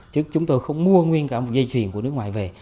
chứ chúng tôi không mua nguyên cả một dây chuyền của nước ngoài về